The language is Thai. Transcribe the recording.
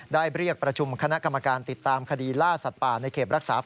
เรียกประชุมคณะกรรมการติดตามคดีล่าสัตว์ป่าในเขตรักษา